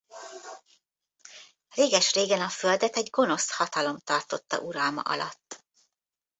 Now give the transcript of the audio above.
Réges-régen a Földet egy gonosz hatalom tartotta uralma alatt.